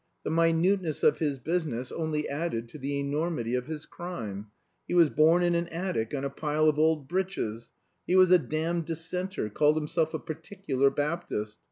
The minuteness of his business only added to the enormity of his crime. He was born in an attic on a pile of old breeches. He was a damned dissenter called himself a Particular Baptist.